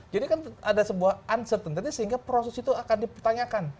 jadi kan ada sebuah uncertainty sehingga proses itu akan dipertanyakan